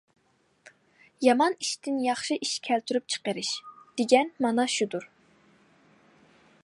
«يامان ئىشتىن ياخشى ئىش كەلتۈرۈپ چىقىرىش» دېگەن مانا شۇدۇر.